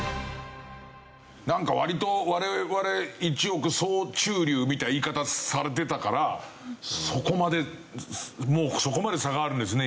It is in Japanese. なんか割と我々１億総中流みたいな言い方されてたからそこまでもうそこまで差があるんですね